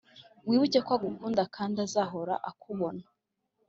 wibuke ko agukunda kandi azahora akubona.